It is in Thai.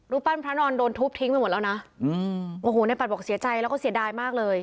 ปั้นพระนอนโดนทุบทิ้งไปหมดแล้วนะอืมโอ้โหในปัดบอกเสียใจแล้วก็เสียดายมากเลย